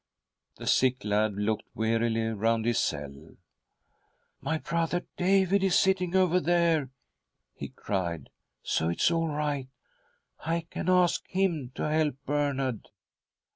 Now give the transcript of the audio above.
__. The sick'lad looked wearily round his celL "My brother David is sitting over there," he cried, " so it is all right. I can ask him to' help Bernard."